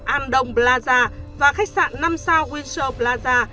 andong plaza và khách sạn năm sao windsor plaza